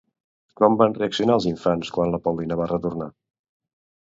Com van reaccionar els infants quan la Paulina va retornar?